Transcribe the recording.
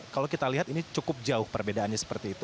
kalau kita lihat ini cukup jauh perbedaannya